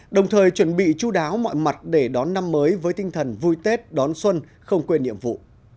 đồng thời chuẩn bị chú đáo mọi mặt để đón năm mới với tinh thần vui tết đón xuân không quên nhiệm vụ